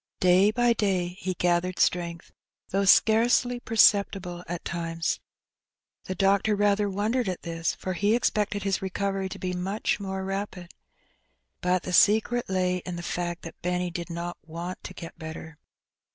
Day by day he gathered strength, though scarcely per ceptible at times. The doctor rather wondered at this, for he expected his recovery to be much more rapid. But the secret lay in the fact that Benny did not want to get better.